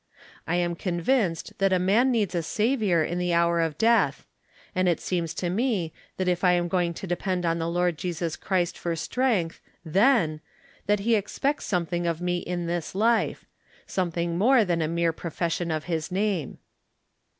I am convinced that a man needs a Saviour in the hour of death ; and it seems to me that if I am going to depend on the Lord Jesus Christ for strength then that he expects something of me in this life — sometliing more than a mere pro fession of his name.